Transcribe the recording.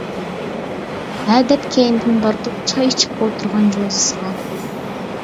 ھە دەپ كەينىدىن باردۇق چاي ئىچىپ ئولتۇرغان جوزىسىغا.